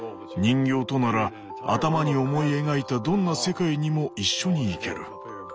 「人形となら頭に思い描いたどんな世界にも一緒に行ける」。